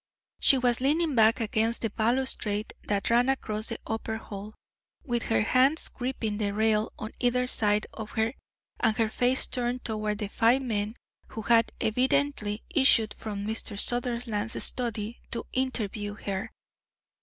She was leaning back against the balustrade that ran across the upper hall, with her hands gripping the rail on either side of her and her face turned toward the five men who had evidently issued from Mr. Sutherland's study to interview her.